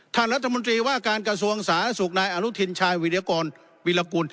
ท่านรัฐมนตรีว่าการกระทรวงสาธารณสุขนายอนุทินชายวิรกรวิรกุล